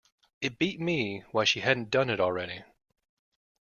It beat me why she hadn't done it already.